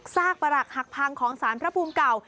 ซากประหลักหักพังของสารพระภูมิเก่า